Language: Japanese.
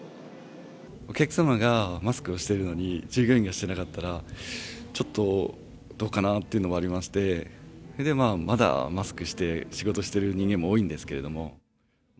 お客様がマスクをしてるのに、従業員がしてなかったら、ちょっとどうかなっていうのもありまして、まだマスクして、仕事してる人間も多いんですけれども。